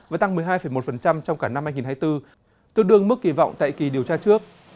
và tăng một mươi hai một trong cả năm hai nghìn hai mươi bốn tương đương mức kỳ vọng tại kỳ điều tra trước